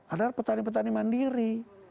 adalah petani petani mandiri